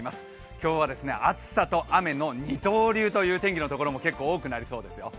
今日は暑さと雨の二刀流という天気のところも結構多くなりそうですよ。